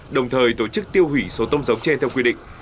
đồng thời tổ chức tiêu hủy số tôm giống chê theo quy định